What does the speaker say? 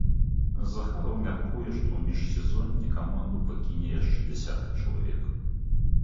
Захараў мяркуе, што ў міжсезонне каманду пакіне яшчэ дзясятак чалавек.